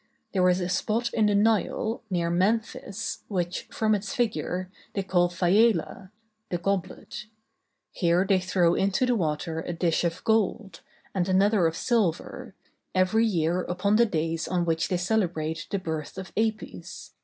There is a spot in the Nile, near Memphis, which, from its figure, they call Phiala (the goblet); here they throw into the water a dish of gold, and another of silver, every year upon the days on which they celebrate the birth of Apis.